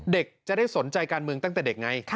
เด็กจะได้สนใจการเมืองตั้งแต่เด็กไง